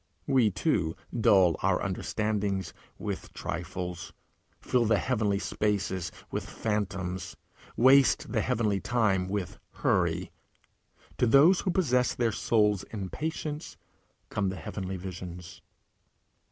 We too dull our understandings with trifles, fill the heavenly spaces with phantoms, waste the heavenly time with hurry. To those who possess their souls in patience come the heavenly visions.